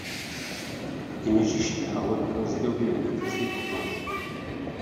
Kněžiště a loď rozděluje vítězný oblouk.